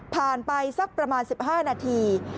ไปสักประมาณ๑๕นาที